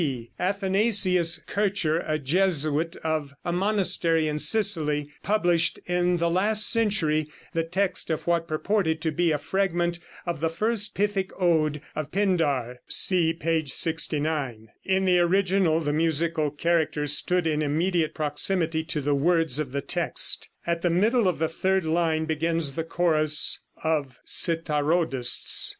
D. Athanasius Kircher, a Jesuit of a monastery in Sicily, published in the last century the text of what purported to be a fragment of the first Pythic Ode of Pindar. (See page 69.) In the original the musical characters stood in immediate proximity to the words of the text. At the middle of the third line begins the chorus of Citharodists.